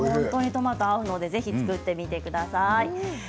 トマト、合うので作ってみてください。